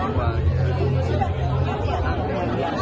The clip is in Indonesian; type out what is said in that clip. momen momen ini tradisional juga ya